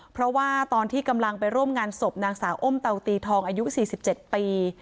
เพราะว่าตอนที่กำลังไปร่วมงานศพนางสาวอ้มเตาตีทองอายุ๔๗ปี